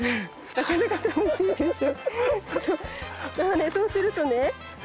なかなか楽しいでしょ。